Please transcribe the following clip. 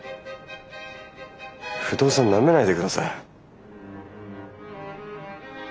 不動産なめないでください。